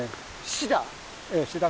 シダ？